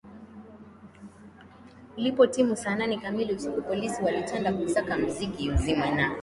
ilipotimu saa nane kamili usiku Polisi walitanda kutaka muziki uzimwe na